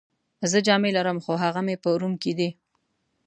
زه جامې لرم، خو هغه مې په روم کي دي.